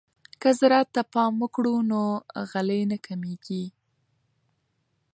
که زراعت ته پام وکړو نو غلې نه کمیږي.